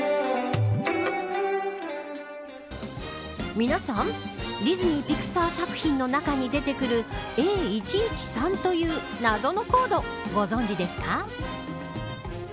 皆さん、ディズニー・ピクサー作品の中に出てくるＡ１１３という謎のコード、ご存じですか。